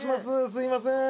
すいません」